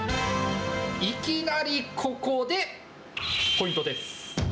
いきなりここでポイントです。